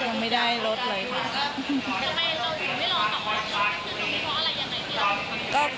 ทำไมเราอยู่ไม่รอต่อขึ้นตรงนี้เพราะอะไรอย่างไร